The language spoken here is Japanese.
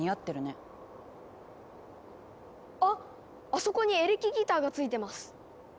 あそこにエレキギターが付いてます。